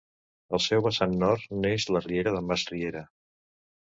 Al seu vessant nord neix la Riera de Mas Riera.